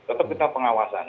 tetap kita pengawasan